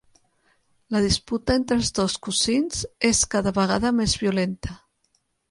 La disputa entre els dos cosins és cada vegada més violenta.